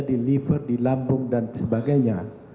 di liver di lambung dan sebagainya